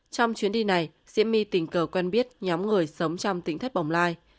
trong chuyến đi này diễm my tình cờ quen biết nhóm người sống trong tỉnh thất bồng lai